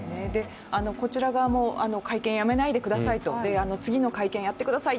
こちら側も会見やめないでくださいと次の会見やってください！